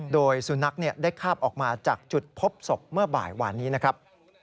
โดยสุนัขได้คาบออกมาจากจุดพบศพเมื่อบ่ายวานนี้นะครับ